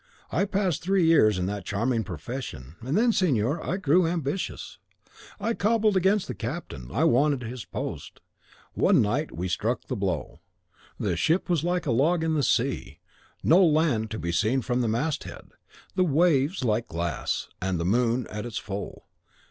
I passed three years in that charming profession, and then, signor, I grew ambitious. I caballed against the captain; I wanted his post. One still night we struck the blow. The ship was like a log in the sea, no land to be seen from the mast head, the waves like glass, and the moon at its full.